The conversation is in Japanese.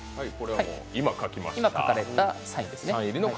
今、書かれたカードですね。